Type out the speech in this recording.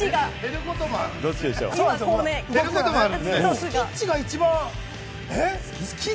スキッチが１番。